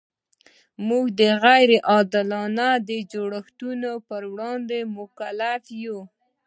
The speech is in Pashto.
موږ د غیر عادلانه جوړښتونو پر وړاندې مکلف یو.